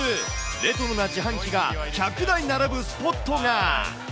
レトロな自販機が１００台並ぶスポットが。